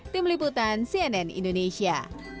tim liputan cnn indonesia